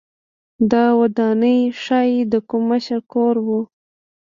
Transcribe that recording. دا ودانۍ ښايي د کوم مشر کور و